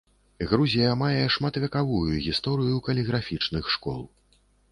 Грузія мае шматвяковую гісторыю каліграфічных школ.